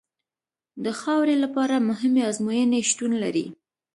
د خاورې لپاره مهمې ازموینې شتون لري